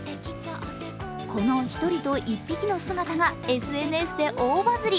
この１人と１匹の姿がＳＮＳで大バズリ。